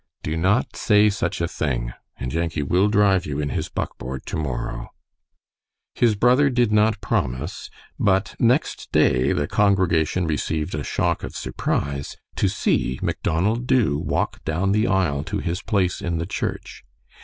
"Do not say such a thing; and Yankee will drive you in his buckboard to morrow." His brother did not promise, but next day the congregation received a shock of surprise to see Macdonald Dubh walk down the aisle to his place in the church.